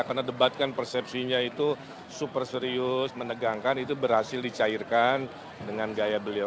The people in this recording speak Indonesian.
karena debat kan persepsinya itu super serius menegangkan itu berhasil dicairkan dengan gaya beliau